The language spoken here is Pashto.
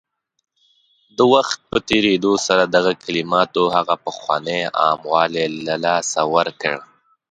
د وخت په تېرېدو سره دغه کلماتو هغه پخوانی عام والی له لاسه ورکړ